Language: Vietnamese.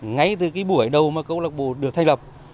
ngay từ cái buổi đầu mà câu lạc bộ được thay lập